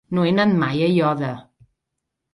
No he anat mai a Aiòder.